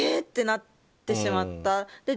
ってなってしまった。